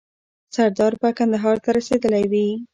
سردار به کندهار ته رسېدلی وي.